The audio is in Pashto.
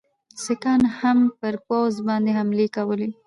سیکهانو هم پر پوځ باندي حملې کولې.